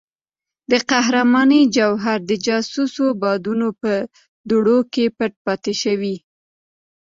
د قهرمانۍ جوهر د جاسوسو بادونو په دوړو کې پټ پاتې شوی.